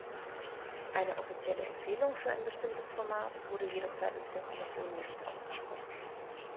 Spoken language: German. Eine offizielle Empfehlung für ein bestimmtes Format wurde jedoch seitens der Kommission nicht ausgesprochen.